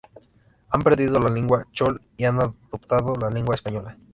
Han perdido la lengua chol y han adoptado la lengua española.